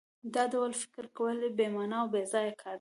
دا ډول فکر کول بې مانا او بېځایه کار دی